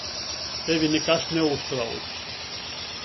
Tevi nekas neuztrauc.